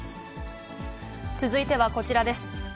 続いてはこちらです。